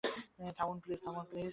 থামুন, প্লিজ!